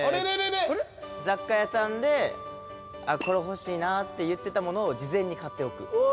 雑貨屋さんで「これ欲しいな」って言ってたものを事前に買っておく。